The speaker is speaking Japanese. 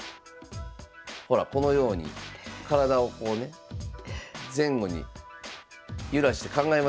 ほらこのように体をこうね前後に揺らして考えますよね。